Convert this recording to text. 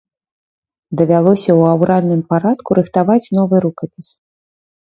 Давялося ў аўральным парадку рыхтаваць новы рукапіс.